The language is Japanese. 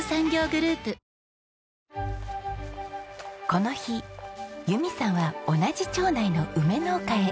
この日由美さんは同じ町内の梅農家へ。